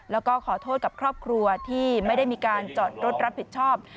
แล้วก็ขอโทษกับครอบครัวที่ไม่ได้มีการจอดรถรับผิดชอบ